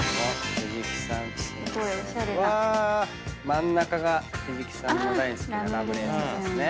真ん中が藤木さんの大好きなラムレーズンですね。